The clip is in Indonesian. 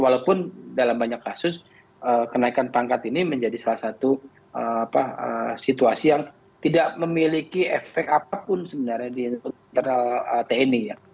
walaupun dalam banyak kasus kenaikan pangkat ini menjadi salah satu situasi yang tidak memiliki efek apapun sebenarnya di internal tni